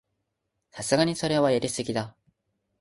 さすがにそれはやりすぎだ